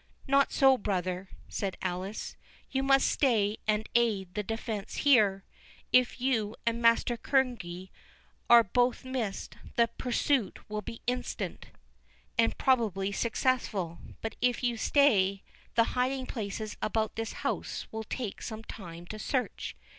"Not so, brother," said Alice, "you must stay and aid the defence here—if you and Master Kerneguy are both missed, the pursuit will be instant, and probably successful; but if you stay, the hiding places about this house will take some time to search.